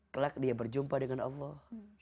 kelak dia berjumpa dengan allah